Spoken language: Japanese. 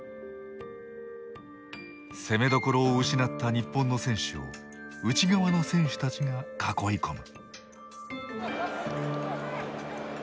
攻めどころを失った日本の選手を内側の選手たちが囲い込む。